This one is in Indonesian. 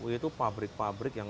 itu fabrik fabrik yang